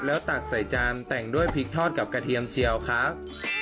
แล้วตัดใส่จานแต่งด้วยพริกทอดกับกระเทียมเจียวครับ